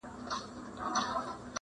دعوه ګیر وي ور سره ډېري پیسې وي,